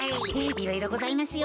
いろいろございますよ！